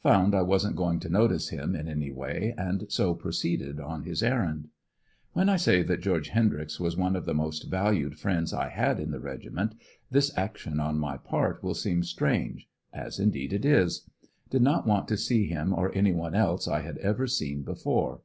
Found I wasn't going to notice him in any way, and so proceeded on his errand. When I say that George Hendryx was one of the most valued friends I had in the regiment, this action on my part will seem strange as indeed it is. Did not want to see him or any one else I had ever seen before.